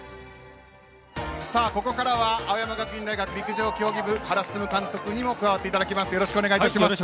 ここからは青山学院大学陸上競技部、原晋監督にも加わっていただきます。